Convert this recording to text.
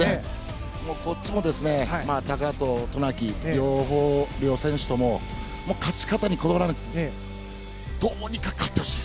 こっちも高藤、渡名喜両選手とも勝ち方にこだわらないでどうにか勝ってほしい。